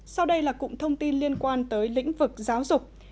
sau đây là cụm thông tin liên quan tới lĩnh vực giáo dục